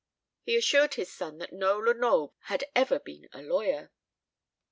He assured his son that no Lenoble had ever been a lawyer.